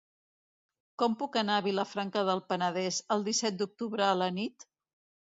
Com puc anar a Vilafranca del Penedès el disset d'octubre a la nit?